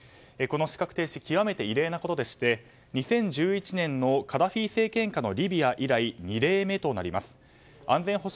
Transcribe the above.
この資格停止極めて異例なことでして２０１１年のカダフィ政権下のリビア以来２例目となります。